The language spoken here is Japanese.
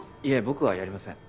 僕はやりません。